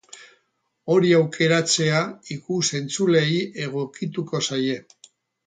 Hori aukeratzea ikus-entzuleei egokituko zaie.